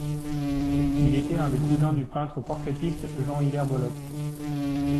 Il était un des cousins du peintre portraitiste Jean-Hilaire Belloc.